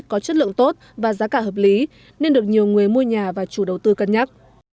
có chất lượng tốt và giá cả hợp lý nên được nhiều người mua nhà và chủ đầu tư cân nhắc